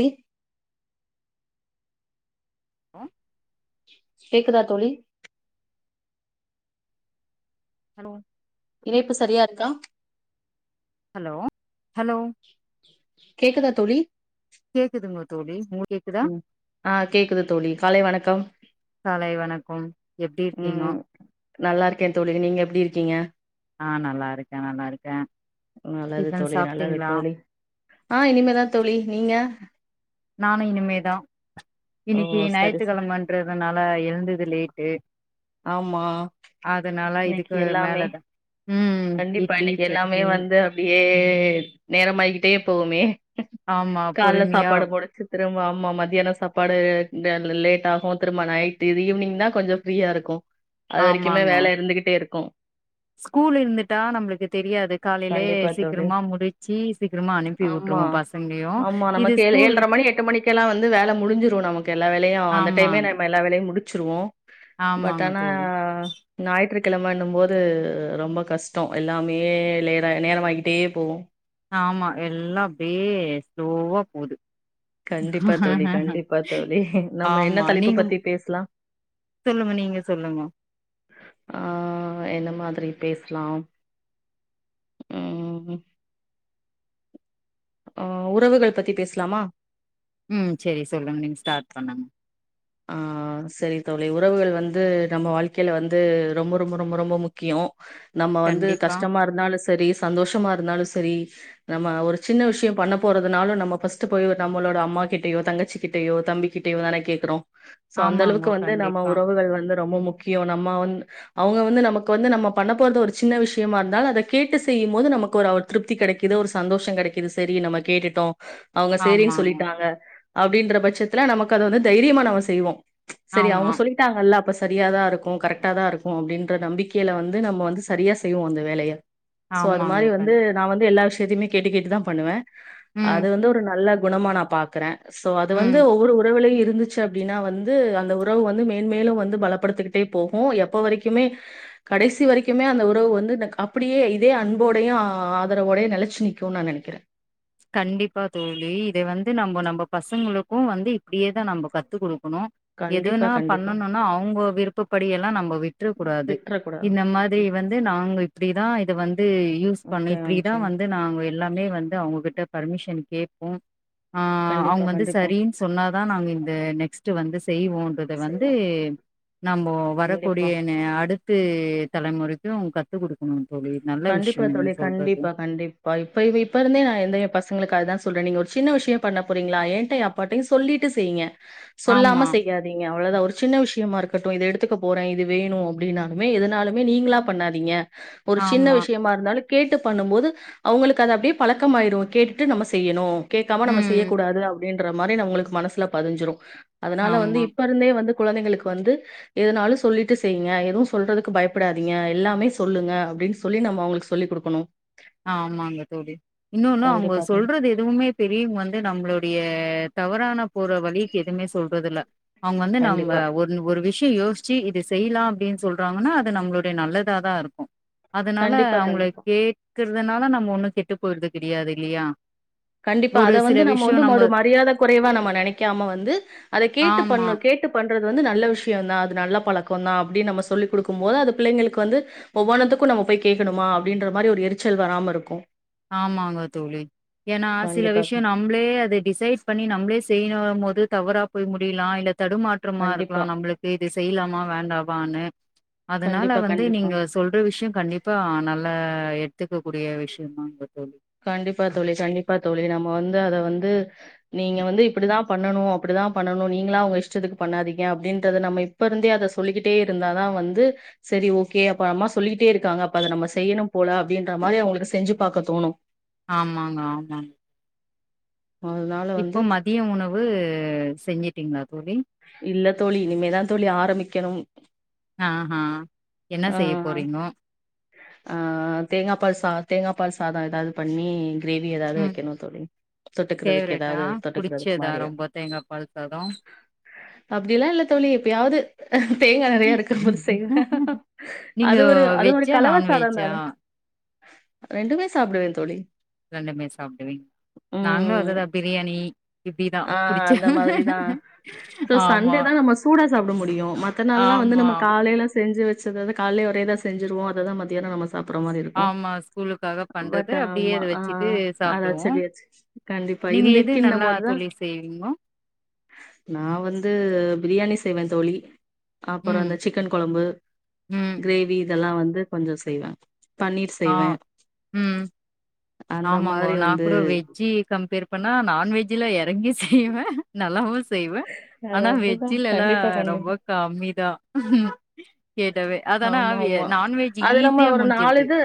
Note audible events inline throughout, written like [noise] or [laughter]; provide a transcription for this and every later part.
தி ஆ கேக்குதா தோழி ஹலோ இணைப்பு சரியா இருக்கா ஹலோ ஹலோ கேக்குதா தோழி கேக்குதுங்க தோழி உங்களு கே ம் ஆ கேக்குது தோழி காலை வணக்கம் காலை வணக்கம் எப்டி இருக்கீங்க ம் நல்லா இருக்கே தோழி நீங்க எப்டி இருக்கீங்க ஆ நல்லா இருக்கே நல்லா இருக்கே நல்லது டிஃபன் தோழி நல்லது சாப்ட்டீங்களா தோழி ஆ இனிமேதா தோழி நீங்க நானு இனிமேதா ஓ இன்னிக்கி சரி ச ஞாயித்துக்கிழமன்றதுனால எழ்ந்தது லேட் டு ஆமா அதனால இன்னைக்கு இதுக்கு எல்லாமே மேலதா ம் இ்ட்லி சட்னிலா ப்டியே நேரம் ஆய்க்கிட்டே போவுமே ஆமா கால்ல பொறுமையா சாப்பாடு போடச்சு திரும்ப ஆமா ஆமா மத்தியானோ சாப்பாடு லேட் ஆகு திரும்ப நைட்டு இது ஈவி்னிங் தா கொஞ்சோ ஃப்ரீயா இருக்கு அது வரைக்குமே ஆமாங்கோ வேல இருந்துகிட்டே இருக்கு ஸ்கூல் இருந்துட்டா நம்மளுக்கு தெரியாது காலையிலே கண்டிப்பா தோழி சீக்கிரமா முடிச்சு சீக்கிரமா அனுப்பி ஆமா உட்ருவோ பசங்கயு இது ஸ்கூல் கெல்லா வந்து வேல முடிஞ்சுரு நமக்கு எல்லா வேலையு அந்த டைமே ஆமாங்க நம்ம எல்லா வேலையு முடிச்சிருவோ பட் ஆமாங்க ஆனா தோழி ஞாயிற்றுக்கிழமன்னும் போது ரொம்ப கஷ்டோ எல்லாமே லேதா நேரமாய்கிட்டே போகு ஆமா எல்லா அப்டியே ஸ்லோவா போது கண்டிப்பா தோழி கண்டிப்பா தோழி நம்ம ஆமா என்ன தலைப்பு நீங்க பத்தி பேஸ்லா சொல்லுங்க நீங்க சொல்லுங்கோ ஆ என்ன மாதிரி பேஸ்லா ஆ உறவுகள் பத்தி பேஸ்லாமா ம் செரி சொல்லுங் நீங் ஸ்டார்ட் பண்ணுங் ஆ சரி தோழி உறவுகள் வந்து நம்ம வாழ்க்கையில வந்து ரொம்ப ரொம்ப ரொம்ப ரொம்ப முக்கியோ நம்ம வந்து கண்டிப்பா கஷ்டமா இருந்தாலு சரி சந்தோஷமா இருந்தாலு சரி நம்ம ஒரு சின்ன விஷ்யோ பண்ண போறதுனாலு நம்ம ஃபர்ஸ்ட்டு போய் நம்மளோட அம்மா கிட்டயோ தங்கச்சி கிட்டயோ தம்பி கிட்டயியு தானே கேக்குறோ சோ அந்தளவுக்கு ஆமாங்கோ வந்து நம்ம கண்டிப்பா உறவுகள் வந்து ரொம்ப முக்கியோ நம்ம வந் அவங்க வந்து நமக்கு வந்து நம்ம பண்ண போறது ஒரு சின்ன விஷயமா இருந்தால் அத கேட்டு செய்யும் போது நமக்கு ஒரு திருப்தி கிடைக்குது ஒரு சந்தோஷோ கெடைக்குது சரி நம்ம கேட்டுட்டோ அவங்க சேரின் ஆமாங்க சொல்லிட்டாங்க அப்டிங்கிற பட்சத்துல நமக்கு அது வந்து தைரியமா நம்ம செய்வோ சரி ஆமா அவங்க சொல்லி ட்டாங்கல்ல அப்ப சரியாதா இருக்கு கரெக்டா தா இருக்கு அப்டிங்கிற நம்பிக்கையில வந்து நம்ம வந்து சரியா செய்வோ அந்த வேலைய சோ அது மாரி ஆமாங்க வந்து கண் நா வந்து எல்லா விஷ்யத்தையுமே கேட்டு கேட்டுதா பண்ணுவே ம் அது வந்து ஒரு நல்ல குணமா நா பாக்கற சோ அது ம் வந்து ஒவ்வொரு உறவிலியு இருந்துச் அப்படின்னா வந்து அந்த உறவு வந்து மேன்மேலு வந்து பலப்படுத்துக்கிட்டே போகு எப்போ வரைக்குமே கடைசி வரைக்குமே அந்த உறவு வந்து நக் அப்படியே இதே அன்போடையு ஆதரவோடயு நிலச்சு நிக்குன் நா நெனைக்கிறே கண்டிப்பா தோழி இதை வந்து நம்ம நம்ம பசங்களுக்கு வந்து இப்டியே தா நம்போ கத்து குடுக்கணு கண்டிப்பா எதுன்னா கண்டிப்பா பண்ணனுன்னா அவ்ங்க விருப்பப்படியெல்லா நம்ப விட்றக் கூடாது விட்ற கூடாது இந்த மாதிரி வந்து நாங்க இப்டிதா இத வந்து யூஸ் பண்ணி நிச்சயமா இப்டிதா நிச்சயமா வந்து நாங்க எல்லாமே வந்து அவங்ககிட்ட பர்மிசன் கேப்போ ஆ அ கண்டிப்பா அவ்ங்க வந்து கண்டிப்பா சரின் சொன்னாதா நாங்க இந்த நெக்ஸ்ட்டு வந்து செய்வோன்றத வந்து செய்வோம். நம்போ கண்டிப்பா வரக்கூடிய நெ அடுத்து தலைமுறைக்கு கத் து குடுக்கணு தோழ்ழி நல்ல விஷ்யம் நீங்க சொல்றது ப்ப இப்ப இப்ப இருந்தே நா எந்த எ பசங்களுக்கு அதா சொல்றே நீங்க ஒரு சின்ன விஷ்யோ பண்ணப் போறீங்ளா ஏன்டயே அப்பாட்டையு சொல்லிட்டு செய்ங்க சொல்லாம ஆமா செய்யா திங்க அவ்ளதா ஒரு சின்ன விஷ்யமா இருக்கட்டு இது எடுத்துக்க போறே இது வேணு அப்டின்னாலுமே எதுனாலுமே நீங்ளா பண்ணாதீங்க ஒரு சின்ன ஆமா விஷ்யமா இருந்தாலு கேட்டுப் பண்ணும் போது அவுங்களுக்கு அத அப்டியே பழக்க மாய்டு கேட்டுட்டு நம்ம செய்யணு கேக்காம நம்ம ம் செய்யக்கூடாது அப்படின்ற மாரி அவ்ங்களுக்கு மனசுல பதிஞ்சிரு அதனால வந்து ஆமா இப்ப இருந்தே வந்து குழந்தைங்களுக்கு வந்து எதுனாலும் சொல்லிட்டு செய்ங்க எதுவும் சொல்றதுக்கு பயப்படாதீங்க எல்லாமே சொல்லுங்க அ ப்படின் சொல்லி நம்ம அவங்களுக்கு சொல்லிக் குடுக்கணும் ஆமாங்க தோழி இன்னொன்னு அவங்க கண்டிப்பா கண்டிப்பா சொல்றது எ துவுமே பெரியுங் வந்து நம்மளுடைய தவறான போற வழிக்கு எதுவுமே சொல்றதுல்ல அவங்க வந்து நம்ப கண்டிப்பா ஒர் ஒரு விஷயம் யோச்சி இது செய்யலாம் அப்டின் சொல்றாங்கன்னா அது நம்மளுடைய நல்லதா தான் இருக்கும் அதனால கண்டிப்பா அவங்கள கண்டிப்பா. கேக்குறதுனால நம்ம ஒண்ணும் கெட்டு போய்றது கிடையாது இல்லையா கண்டிப்பா ஒரு அத சில வந்து நம்ம வந்து விஷயம் மறு மரியாத குறைவா நம்ம நெனைக்காம வந்து அத கேட்டு ஆமா பண்ணு கேட்டு பண்றது வந்து நல்ல விஷயம் தான் அது நல்ல பழக்கம் தான் அப்டின் நம்ம சொல்லிக் குடுக்கும் போது அது பிள்ளைங்களுக்கு வந்து ஒவ்வொன்னதுக்கும் நம்ம போய் கேக்கனுமா அப்டின்ற மாரி ஒரு எரிச்சல் வராம இருக்கும் ஆமாங்க தோழி ஏன்னா சில கண்டிப்பா, விஷயம் நா நம்பளே அத டிசைட் பண்ணி நம்பளே செய்யும் போது தவறா போய் முடியலாம் இல்ல தடுமாற் றமா கண்டிப்பா, இருக்கலாம் நம்புளுக்கு இது செய்யலாமா வேண்டாவான்னு அதனால கண்டிப்பா, வந்து கண்டிப்பா. நீங்க சொல்ற விஷயம் கண்டிப்பா நல்லா எடுத்துக்க கூடிய விஷய தாங்க தோழி கண்டிப்பா தோழி கண்டிப்பா தோழி நம்ம வந்து அத வந்து நீங்க ம். வந்து இப்படி தான் பண்ணணும் அப்படித்தான் பண்ணணும் நீங்களா உங்க இஷ்டத்துக்கு பண்ணாதீங்க அப்டின்றது நம்ம இப்ப இருந்தே அத சொல்லிக்கிட்டே இருந்தாதான் வந்து செரி ஓகே அப்ப அம்மா சொல்லிட்டே இருக்காங்க அப்ப அத நம்ம செய்யணும் போல அப்படின்ற மாதிரி அவங்களுக்கு செஞ்சு பாக தோணும் ஆமாங்க ஆமாங் அதனால வந்து மதிய உணவு செஞ்சிட்டீங்களா தோழி இல்ல தோழி இனிமேதா தோழி ஆரம்பிக்கணும் ஆ என்ன ஆ செய்ய போறீங்கோ ஆ தேங்காபால் சா தேங்காபால் சாதம் எதாவது பண்ணி கிரேவி எதாவது ம். வெக்கணும் தோழி தொட்டுக்கிறதுக்கு ஃபேவரட்டா? எதாவது தொட்டுக்கிறதுக்கு புடிச்சதா மாரியா ரொம்ப தேங்காப்பால் சாதம்? அப்டில்லா இல்ல தோழி எப்பயாவது தேங்காய் நெறைய இருக்கபோது செய்வ நீங்கோ வெஜ்ஜா கலவசாதம் நான்வெஜ்ஜா தான ரெண்டுமே சாப்டுவே தோழி ரெண்டுமே சாப்பிடுவீங் நாங்களும் ம் அதுதான் பிரியாணி இப்டிதான் ஆ புடிச்ச அந்த மாதிரிதா சோ ஆமா, சண்டே தா நம்ம சூடா சாப்பிட முடியும் மத் த நாள்லா வந்து ஆமா, நம்ம காலையில செஞ்சி வெச்சதது காலையே ஒரேதா செஞ்சுருவோ அததா மத்தியான நம்ம சாப்பற மாரி இருக்கும் ஆமா. ஸ்கூலுக்காக பட் பண்றது அப்டியே ஆமா அத வச்சுட்டு சாப்டுவோம். ஹஹ [unintelligible] கண்டிப்பா இந்தைக்கு இந்த மோதுதா செய்விங்கோ நா வந்து பிரியாணி செய்வ தோழி அப்புறம் ம் அந்த சிக் கன் கொழம்பு ம் கிரேவி இதெல்லா வந்து கொஞ்ச செய்வ ஆ ம் அந்த ஆமாங்கோ மாரி நா வந்து கூட வெஜ் ஜி கம்பேர் பண்ணா நான்வெஜ்ல இறங்கி செய்வ நல்லாவும் செய்வ அது ஆனா அப்டிதா வெஜ்ஜிலலா கண்டிப்பா கண்டிப்பா ரொம்ப கம்மிதா கேட்டாவே அதனா ஆமா ஆவியே ஆமா. நான்வெஜ் அது நம்ம ஈஸியா ஒரு முடிஞ்சிருது இது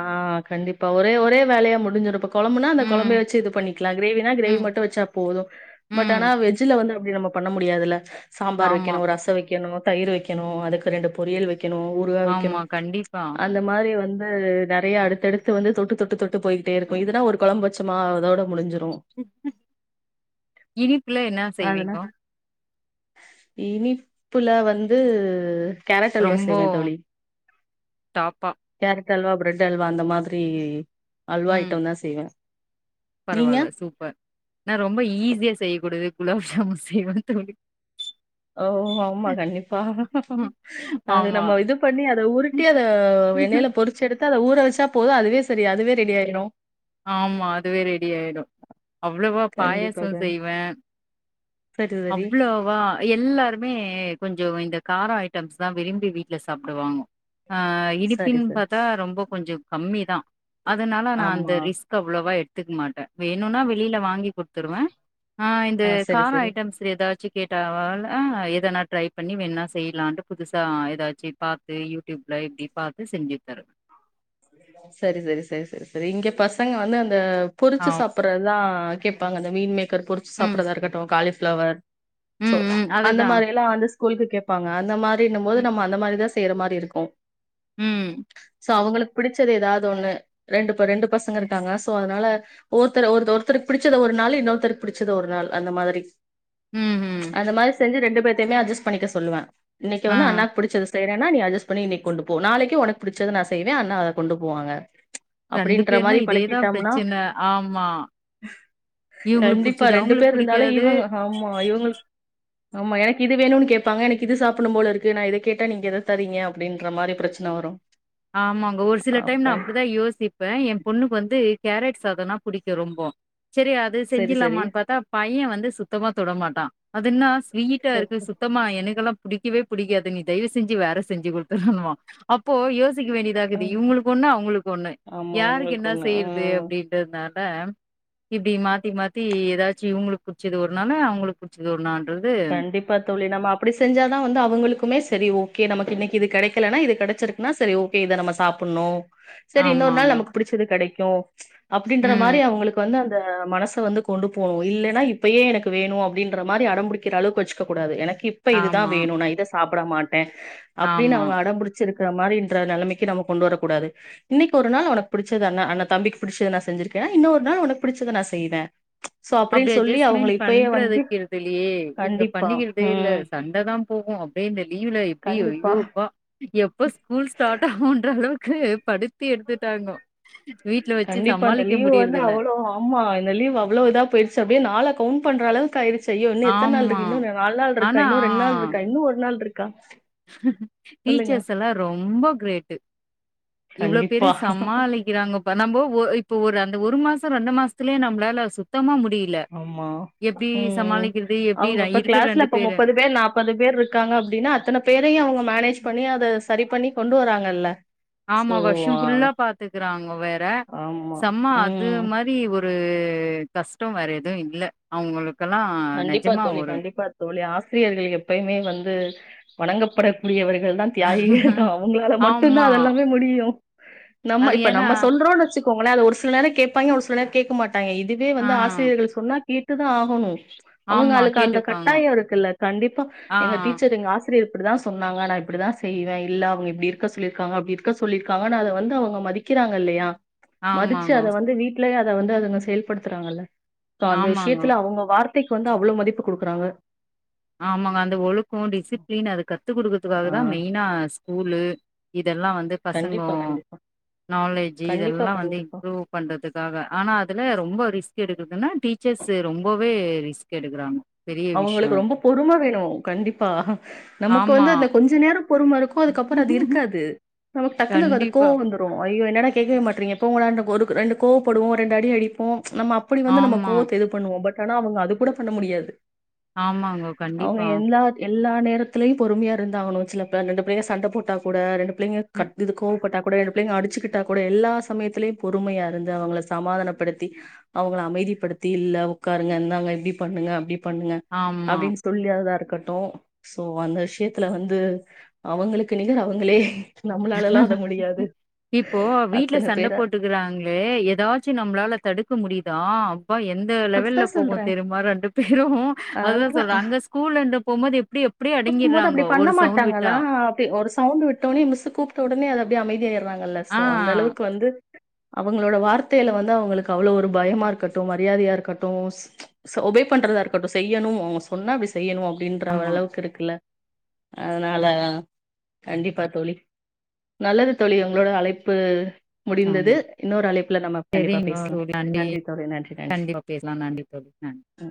ஆ கண்டிப்பா ஒரே ஒரே வேலையா முடிஞ்சிடு கொழம்புனா அந்த ம் கொழம்பே வெச்சு இது பண்ணிக்கலா கிரேவினா கிரேவி ம் மட்டும் வெச்சா போதும் பட் ம் ஆனா வெஜ்ஜில வந்து அப்பிடி நம்ம பண்ண முடியாதுல்ல சாம்பார் ஆமா வெக்கணு ரசம் வெக்கணு தயிர் வெக்கணு அதுக்கு ரெண்டு பொரியல் வெக்கணு உ [unintelligible] வெக்கணு ஆமா கண்டிப்பா ஆ அந்த மாரி வந்து நிறைய அடுத்தடுத்து வந்து தொட்டு தொட்டு தொட்டு போயிட்டே இருக்கு இதுனா ஒரு குழம்ப வே கச்சமா அதோட முடிஞ்சிரு இனிப்புல என்ன அதுனா செய்வீங்கோ இனிப்புல வந்து கேரட் அல்வா ரொம்போ செய்வே தோழி டாப்பா கேரட் அல்வா பிரெட் அல்வா அந்த மாரி அல்வா ஐட்ட தா செய்வே பரவாயில்ல சூப்பர் நா ரொம்ப ஈஸியா செய்யக்கூடியது குலாப் ஜாமுன் செய்வே தோழி ஓ ஆமா கண்டிப்பா ம். அத ஆமா. நம்ம இது பண்ணி அத உருட்டி அத வெண்ணையில பொறிச்சு எடுத்து த்து அத ஊற வச்சா போதும் அதுவே சேரி அதுவே ரெடி ஆயிடு ஆமா அதுவே ரெடி ஆயிடு அவ்வளோவா கண்டிப்பா பாயசம் கண் செய்வே சரி, சரி. அவ்வளவா எல்லாருமே கொஞ்சோ இந்த காரம் ஐட்டம்ஸ் தா விரும்பி வீட்டல சாப்பிடுவாங்க ஆ சரி, இனிப்பின் சரி. பாத்தா ரொம்ப கொஞ்சோ கம்மி தா அதனால நா ஆமா. ஸ்க் அவ்வளவா எடுத்துக்க மாட்ட வேணும்னா வெளியில வாங்கி கொடுத்துருவ ஆ இந்த சரி, கார சரி. ஐட்டம்ஸ் ஏதாச்சு கேட்ட வா எதனா ட்ரை பண்ணி வேணா செய்யலான்ட்டு புதுசா ஏதாச்சு பாத்து யூடியூப்ல இப்படி பார்த்து செஞ்சு தருவே சேரி சேரி சேரி சேரி சேரி இங்க பசங்க வந்து அந்த ஆ. பொரிச்சு சாப்பிடறதா கேட்பாங்க அந்த மீன் மேக்கர் பொரிச்சு ம். சாப்பிடறதா இருக்கட்டும் காலிஃப்ளவர் சோ ம், ம். அந்த அதுதான். மாதிரி எல்லா அந்த ஸ்கூலுக்கு கேட்பாங்க அந்த மாரி அப்டின்னு போது நம்ம அந்த மாரிதா செய்யற மாரி இருக்கு ம் சோ அவங்களுக்கு பிடிச்சது ஏதாவது ஒண்ணு ரெண்டு ரெண்டு பசங்க இருக்காங்க சோ அதனால ஒருத்தர் ஒரு ஒருத்தருக்கு பிடிச்சது ஒரு நாள் இன்னொருத்தருக்கு பிடிச்சது ஒரு நாள் அந்த மாதிரி ம் ம் அந்த மாரி செஞ்சு ரெண்டு பேத்தையுமே அட்ஜஸ்ட் பண்ணிக்க சொல்லுவே இன்னைக்கு ஆ. வந்து அண்ணாக்கு புடிச்சது வேணும்னா நீ அட்ஜஸ்ட் பண்ணி இன்னைக்கு கொண்டு போ நாளைக்கு உனக்கு பிடிச்சத நா செய்வே அண்ணா அத கொண்டு போவாங்க அப்டின்ற பேருனா மாரி இதே தான் பழக்கிட்டம்னா பிரச்சனை. ஆமா. இவங்களுக்கு கண்டிப்பா புடிச்சது, ரெண்டு அவங்களுக்கு பேர் இருந்தாலு புடிக்காது. இவங்க ஆமா இவங்களுக்கு ஆமா எனக்கு இது வேணுன்னு கேப்பாங்க எனக்கு இது சாப்பிடும் போல இருக்கு நா இத கேட்டா நீங்க எதை தரீங்க அப்டின்ற மாரி பிரச்சனை வரும் ஆமாங்க ஒரு சில டைம் நா அப்டிதா யோசிப் ப்பே இப்ப ஏன் பொண்ணுக்கு வந்து கேரட் சாதம்னா புடிக்கு ரொம்ப சரி அது சரி சரி செஞ்சுலாமான்னு பாத்தா பையன் வந்து சுத்தமா தொடமாட்டா அதுன்னா ஸ்வீட்டா சரி இருக்கு மோமா எனக்குல்லா பிடிக்கவே பிடிக்காது நீ தயவு செஞ்சு வேற செஞ்சு குடுத்துடு ணுவா அப்போ எ திக்க வேண்டியதாகுது இவங்களுக்கு ஒண்ணு அவங்களுக்கு ஒண்ணு ஆமா யாருக்கு உங்களுக்கு என்ன ஒண்ணு செய்யறது ஆ அப்டின்னு அதனால இப்படி மாத்தி மாத்தி ஏதாச்சு இவங்களுக்கு புடிச்சது ஒருனால அவங்களுக்கு புடிச்சத ஓருணான்றது ஆ தோழி நம்ம அப்படி செஞ்சாதா வந்து அவங்களுக்குமே சரி ஓகே நமக்கு இன்னிக்கு இது கெடைக்கலன இது கெடைச்சிருக்கு ன்னா சரி ஓகே இத நம்ம சாப்புண்ணு சரி இன்னொரு ஆமாங்க. நாள் நமக்கு பிடிச்சது கெடைக்கோ அப்டின்ற ம். மாரி அவங்களுக்கு வந்து அந்த மனசு வந்து கொ கொண்டு போகுனு இல்லன்னா இப்பயே எனக்கு வேணோ அப்டின்ற மாரி அடம் பிடிக்கிற அளவுக்கு வச்சுக்க கூடாது எனக்கு இப் இப்ப இதுதா ஆமா, வேணு நா இத சாப்பிட மாட்டே அப்டின்னு ஆமா. அவங்க அடம்புடிச்ச சுளிக்கிற மாரி என்ற நெலைமைக்கு நம்ம கொண்டு வரக்கூடாது இன்னிக்கு ஒரு நாள் உனக்கு புடிச்சது ஆனா அன் தம்பிக்கு புடிச்சத நா செஞ்சிருக்கே இன்னொரு நாள் உனக்கு பிடிச்சத நா செய்வே சோ அப்டின் சொல்லி அவங்க இப்பயே வந்து வெளியே இங்க கண்டிப்பா பண்ணிக்கிறதே இல்ல ம் சண்ட தா போகு அப்டியே இந்த லீவுல எப்டியோ கண்டிப்பா ஐயோ அப்பா எப்போ ஸ்கூல் ஸ்டாட் ஆகுன்ற அளவுக்கு படித்தி எடுத்துட்டாங்கொ கண்டிப்பா இந்த லீவு வந்து அவ்ளோ ஆமா இந்த லீவு அவ்ளோ இதா போயிருச்சு அப்டியே நாள கவுண்ட் பண்ற அளவுக்கு ஆயிருச்சு ஐயோ இன்னு எத்தன் நாள் ஆமா. ருக்கு இன்னு நாலு நாள் ஆனா ருக்கா இன்னு ரெண் நாள் ருக்கா இன்னு ஒரு நாள் ருக்கா டீச்சர்ஸ் எல்லா ரொம்ப கிரேட்டு இவ்ளோ பேரு கண்டிப்பா சமாளி க்கிறாங்கப நம்ம ஒ இப்ப ஒரு அந்த ஒரு மாசோ ரெண்டு மாசத்துலயே நம்மளால சுத்தமா முடி ஆமா உம் எப்டி அவங்க ர ப்ப இருக்கிற கிளாஸ்ல ரெண்டு இப்ப பேரு முப்பது பேர் நாப் ப்பது பேர் இருக்காங்க அப்டின்னா அத்தன பேரயு அவங்க மேனேஜ் பண்ணி அத சரி பண்ணி கொண்டு வராங்கல்ல ஆமா சோ வருஷம் ஃபுல்லா பாத்துக்கறாங்க வேற ஆமா செம்ம அது ம் மாரி ஒரு ஒரு கஷ்டோ வேற எதுவு இல்ல அவங்களுக்கெல்லா கண்டிப்பா நெஜமா தோழி, ஒரு கண்டிப்பா தோழி ஆசிரியர்கள் எப்பயுமே வந்து வணங்கப்படக்கூடியவர்கள் தான் தியாகிகள் தா அவங்களால மட்டுந்தா ஆமா அதெல்லாமே முடியு நம்ம அது இப்ப ஏன்னா நம்ம சொல்றோன் வச்சுக்கோங்களே அது ஒரு சில நேர கேப்பாங்க ஒரு சில நேர கேக்க மாட்டங் டாங்க இதுவே ஆ வந்து ஆசிரியர்கள் சொன்னா கேட்டுதா ஆகணு ஆமா அவங்களுக்கு அந்த கேட்டுப்பாங்கோ கட்டாயோ இருக்குல்ல கண்டிப்பா ஆ எங்க டீச்சரு ங்க ஆச ரியர் இப்படித்தா சொன்னாங்க நா இப்படித்தா செய்வே இல்ல அவங்க இப்படி இருக்க சொல்லிருக்காங்க அப்டி இருக்க சொல்லிருக்காங்க அத வந்து அவங்க மதி கிறாங்கல்லையா மதிச்சு ஆமாங்கோ அத வந்து வீடலயே அத வந்து அதுங்க செயல்படுத்துறாங்கல்ல ப்போ அந்த ஆமாங்கோ விஷயத்துல அவங்க வார்த்தைக்கு வந்து அவ்ளோ மதிப்பு குடுக்குறாங்க ஆமாங்க அந்த ஒழுக்கோ டிசிப்ளின் அது கத்து குடுக்கறதுக்காக தா ஆ மெய்னா ஸ்கூலு இதெல்லா வந்து பசங்கொ கண்டிப்பா கண்டிப்பா. நாலேஜ்ஜு கண்டிப்பா இதெல்லா வந்து கண்டிப்பா. இம்ப்ரூவ் பண்றதுக்காக ஆனா அதல்லா ரொம்ப ரிஸ்க் எடுக்கிறதுன்னா டீச்சர்ஸ் ரொம்பவே ரிஸ்க் எடுக்குறாங்க பெரிய விஷ்யோ அவங்களுக்கு அது ரொம்ப பொறும வேணு கண்டிப்பா நமக்கு ஆமா வந்து அந்த கொஞ்சொ நேரோ பொறும ருக்கு அதுக்கப்பறோ அது இருக்காது நமக்கு டக்குன்னு அது கண்டிப்பா கோவொ வந்து ரோ ஐயோ என்னடா கேக்கவே மாட்றீங்க போங்கடா [unintelligible] ஒரு ரெண்டு கோவப்படுவோ ரெண்டு அடி அடிப்போ நம்ம அப் அப்படி வந்து நம்ம ஆமா கோவத்த இது பண்ணுவோ பட் ஆனா அவங்க அது கூட பண்ண முடியாது ஆமாங்கோ அவ்ங்க கண்டிப்பா எல்லா த் எல்லா நேரத்துலயு பொறுமையா இருந்தாகனு சிலப்பெ இந்த ரெண்டு பேர் சண்ட போட்டா கூட ரெண்டு பிளைங்க ம் கட் இது கோவப்பட்டா கூட பிளைங்க அடிச்சுக்கிட்டா கூட எல்லா சமயத்லயு பொறுமையா ருந்து அவங்கள சமாதானப்படுத்தி அவங்கள அமைதிப்படுத்தி இல்ல உக்காருங்க என்னங்க இப்டி பண்ணுங்க அப்டி பண்ணுங்க ஆமா அப்டின் தொல்லிஅலாரத இருக்கட்டு ஸோ அந்த விஷயத்துல வந்து அவங்களுக்கு நிகர் அவங்களே நம்மளாலலா அது முடியாது இப்போ வீட்ல அத்தன சண்ட பேர போட்டு ர்ராங்ளே ஏதாச்சு நம்ளால தடுக்க முடியுதா அப்பா எந்த த்த அதுதா லெவல்ல போகு சொல்றே தெரியுமா ரெண்டு பேரு அத்தா அததா சொல்ற அங்க ஸ்கூல் வந்து போம்போது எப்டி எ எப்டி பண்ணும்போது அப்டி அடங்கிட்றாங்கோ பண்ண ஒரு சவுண்ட் மாட்டாங்களா விட்டா ஒரு சவுண்ட் விட்டொனே மிஸ்ஸு கூப்ட்ட ஒடனே அது அப்டியே அமைதியாய்ற்றாங்கல்ல சோ ஆ அந்த அளவுக்கு வந்து அவங்களோட வார்த்தயில வந்து அவங்களுக்கு அவ்ளவு ஒரு பயமா ர்க்கட்டு மரியாதையா ர்க் க்கட்டும் ஒபே பண்றதா ருக்கட்டு செய்யணு சொன்னா அப்டி செய்யணு அப்டின்ற ஆமா, அளவுக்கு இருக்கில்ல அத்னால கண்டிப்பா தோழி நல்லது தோழி உங்களோட அழைப்பு முடிந்தது ஆமா. இன்னொரு அழைப்புல நம்ம கண்டிப்பா சரிங்க பேஸ்லா நன்றி தோழி நன்றி நன்றி பேஸ்லா நன்றி தோழி நன் அ